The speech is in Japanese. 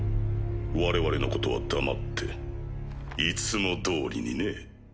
我々のことは黙っていつもどおりにね。